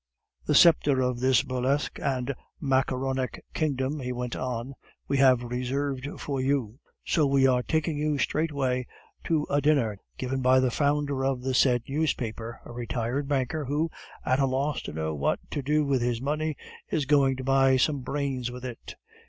"The sceptre of this burlesque and macaronic kingdom," he went on, "we have reserved for you; so we are taking you straightway to a dinner given by the founder of the said newspaper, a retired banker, who, at a loss to know what to do with his money, is going to buy some brains with it.